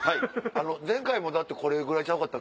前回もこれぐらいちゃうかった？